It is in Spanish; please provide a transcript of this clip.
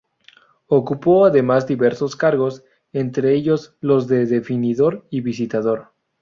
Ocupó, además, diversos cargos, entre ellos los de definidor y visitador.